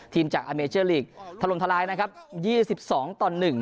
ทีมจากอเมเจอร์หลีกถล่มทะลายนะครับยี่สิบสองตอนหนึ่ง